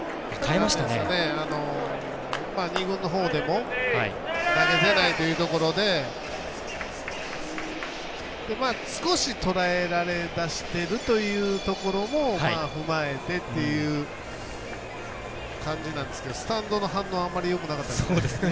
２軍のほうでも投げてないというところで少し、とらえられだしているというところも踏まえてという感じなんですけどスタンドの反応はあんまりよくなかったですね。